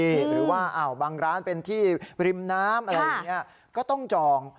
หรือว่าบางร้านเป็นที่ริมน้ำอะไรอย่างนี้ก็ต้องจอง